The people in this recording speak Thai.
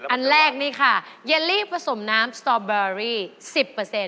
อันแรกนี่ค่ะเยลลี่ผสมน้ำสตอเบอรี่๑๐